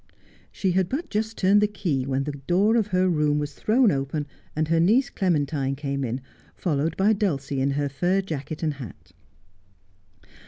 She had but just turned the key when the door of her room was thrown open and her niece Clementine came in, followed by Dulcie in her fur jacket and hat.